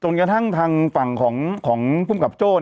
กระทั่งทางฝั่งของภูมิกับโจ้